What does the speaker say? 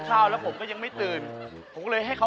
หาตัวเองมาท้ายน่ะ